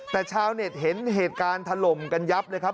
แต่ชาวเน็ตเห็นเหตุการณ์ถล่มกันยับเลยครับ